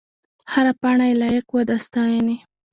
هره پاڼه یې لایق وه د ستاینې.